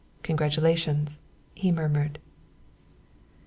"Congratulations!" he murmured.